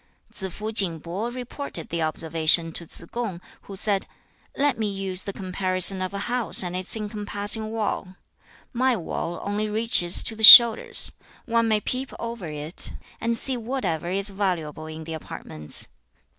2. Tsze fu Ching po reported the observation to Tsze kung, who said, 'Let me use the comparison of a house and its encompassing wall. My wall only reaches to the shoulders. One may peep over it, and see whatever is valuable in the apartments.